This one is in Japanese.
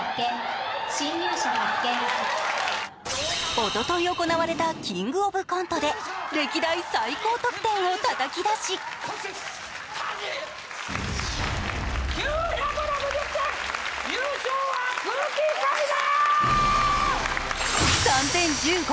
おととい行われた「キングオブコント」で歴代最高得点をたたき出し優勝は空気階段！